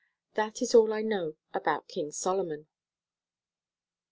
That is all I know about King Solomon."